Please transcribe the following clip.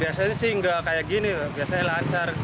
biasanya sih nggak kayak gini biasanya lancar